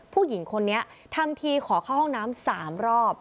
ผู้หญิงคนนี้ทำทีขอเข้าห้องน้ำ๓รอบ